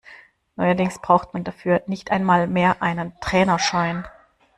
Neuerdings braucht man dafür nicht einmal mehr einen Trainerschein.